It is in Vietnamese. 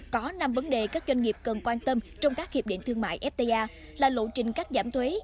có năm vấn đề các doanh nghiệp cần quan tâm trong các hiệp định thương mại fta là lộ trình cắt giảm thuế